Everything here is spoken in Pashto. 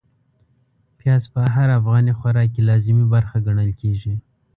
پياز په هر افغاني خوراک کې لازمي برخه ګڼل کېږي.